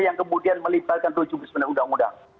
yang kemudian melibatkan tujuh bisnur undang undang